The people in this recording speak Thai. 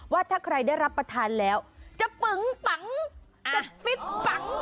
ว่าถ้าใครได้รับประทานแล้วจะปึงปังจะฟิตปัง